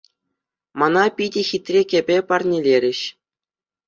Мана питӗ хитре кӗпе парнелерӗҫ.